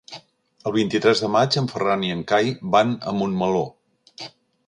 El vint-i-tres de maig en Ferran i en Cai van a Montmeló.